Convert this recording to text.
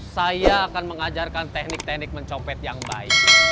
saya akan mengajarkan teknik teknik mencopet yang baik